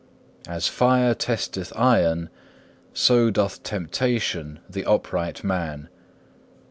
As fire testeth iron, so doth temptation the upright man.